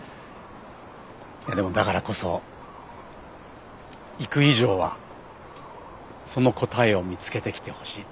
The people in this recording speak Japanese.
でもだからこそ行く以上はその答えを見つけてきてほしい。